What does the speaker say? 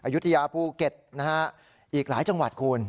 ยุธยาภูเก็ตนะฮะอีกหลายจังหวัดคุณ